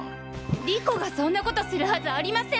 莉子がそんな事するはずありません！